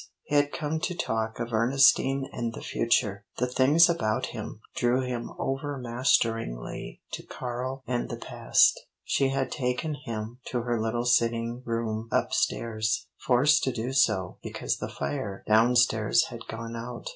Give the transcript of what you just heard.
He had come to talk of Ernestine and the future; the things about him drew him overmasteringly to Karl and the past. She had taken him to her little sitting room up stairs, forced to do so because the fire down stairs had gone out.